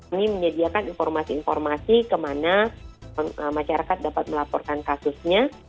kami menyediakan informasi informasi kemana masyarakat dapat melaporkan kasusnya